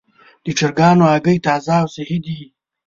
د چرګانو هګۍ تازه او صحي دي.